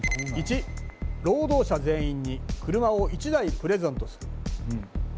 ①労働者全員に車を１台プレゼントする。